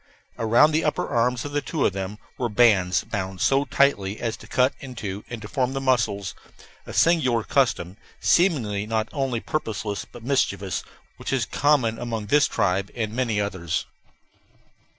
Around the upper arms of two of them were bands bound so tightly as to cut into and deform the muscles a singular custom, seemingly not only purposeless but mischievous, which is common among this tribe and many others.